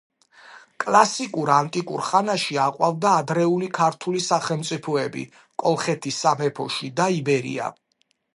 კლასიკურ ანტიკურ ხანაში აყვავდა ადრეული ქართული სახელმწიფოები კოლხეთის სამეფო და იბერია.